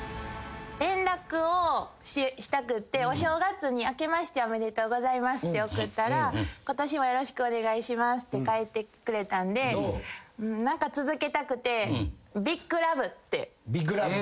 連絡をしたくってお正月に明けましておめでとうございますって送ったら今年もよろしくお願いしますって返してくれたんで何か続けたくてＢＩＧＬＯＶＥって送ったんです。